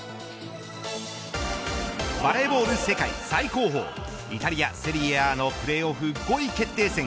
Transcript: バレーボール世界最高峰イタリア、セリエＡのプレーオフ５位決定戦